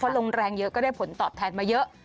ลงแรงเยอะก็ได้ผลตอบแทนมาเยอะ